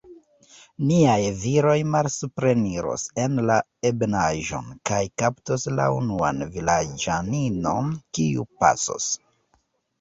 Niaj viroj malsupreniros en la ebenaĵon, kaj kaptos la unuan vilaĝaninon, kiu pasos.